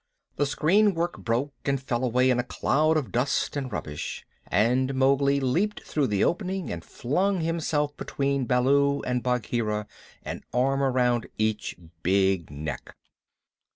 The screen work broke and fell away in a cloud of dust and rubbish, and Mowgli leaped through the opening and flung himself between Baloo and Bagheera an arm around each big neck.